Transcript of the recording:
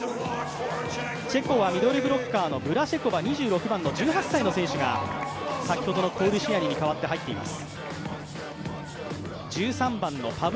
チェコはミドルブロッカーのシマーニョバが、１８歳の選手が先ほどのコウリシアニに代わって入っています。